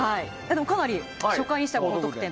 かなり初回にしては高得点と。